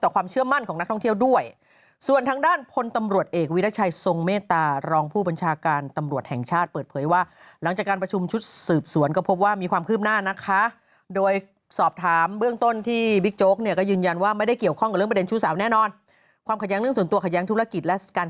ความเชื่อมั่นของนักท่องเที่ยวด้วยส่วนทางด้านพลตำรวจเอกวิรัชัยทรงเมตตารองผู้บัญชาการตำรวจแห่งชาติเปิดเผยว่าหลังจากการประชุมชุดสืบสวนก็พบว่ามีความคืบหน้านะคะโดยสอบถามเบื้องต้นที่บิ๊กโจ๊กเนี่ยก็ยืนยันว่าไม่ได้เกี่ยวข้องกับเรื่องประเด็นชู้สาวแน่นอนความขัดแย้งเรื่องส่วนตัวขัดแย้งธุรกิจและส